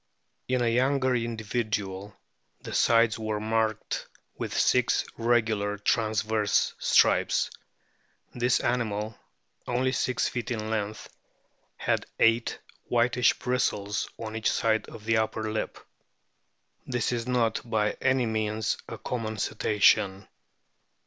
In a younger individual the sides were marked with six regular transverse O stripes. This animal (only six feet in length) had eight whitish bristles on each side of the upper lip. This is not by any means a common Cetacean.